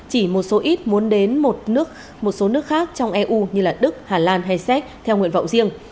chỉ một số ít muốn đến một số nước khác trong eu như đức hà lan hay séc theo nguyện vọng riêng